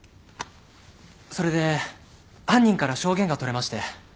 それで犯人から証言が取れまして。